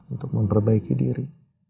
untuk memperbaiki diri